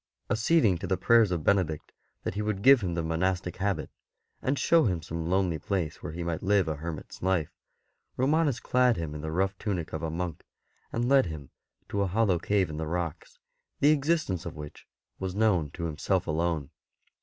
Acceding to the prayers of Benedict that he v/ould give him the monastic habit, and show him some lonely place where he might live a hermit's life, Romanus clad him in the rough tunic of a monk, and led him to a hollow cave in the rocks, the existence of which was known to him self alone.